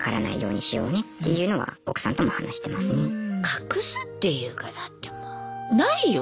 隠すっていうかだってもうないよ